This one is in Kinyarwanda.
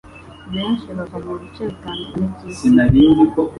benshi bava mu bice bitandukanye by'isi.